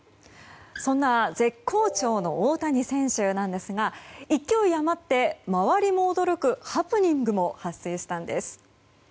そんな絶好調の大谷選手なんですが勢い余って周りも驚くハプニングも発生したんです。